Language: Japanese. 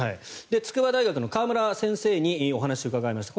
筑波大学の川村先生にお話を伺いました。